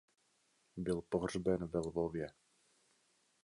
Byl pohřben ve Lvově.